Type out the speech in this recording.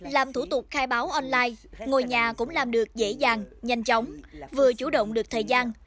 làm thủ tục khai báo online ngồi nhà cũng làm được dễ dàng nhanh chóng vừa chủ động được thời gian